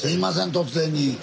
突然に。